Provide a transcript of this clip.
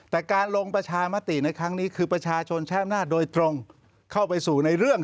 แต่การลงประชามติในครั้งนี้คือประชาชนใช้อำนาจโดยตรงเข้าไปสู่ในเรื่อง